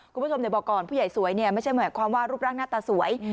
ผู้ชมเดี๋ยวบอกก่อนผู้ใหญ่สวยไม่ใช่ความว่ารูปร่างหน้าตาสวย